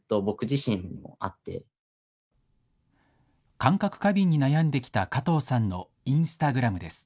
感覚過敏の症状に悩んできた加藤さんのインスタグラムです。